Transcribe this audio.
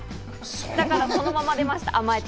だからそのまま出ました、甘えて。